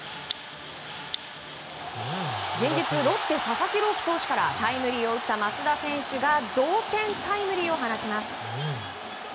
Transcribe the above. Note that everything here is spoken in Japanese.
前日、ロッテ佐々木朗希選手からタイムリーを打った増田選手が同点タイムリーを放ちます。